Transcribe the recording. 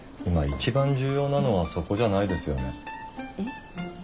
今一番重要なのはそこじゃないですよね。